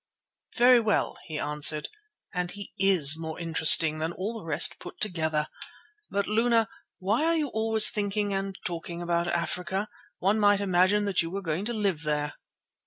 "Very well," he answered, "and he is more interesting than all the rest put together. But, Luna, why are you always thinking and talking about Africa? One might imagine that you were going to live there."